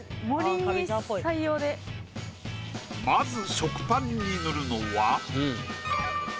まず食パンに塗るのは。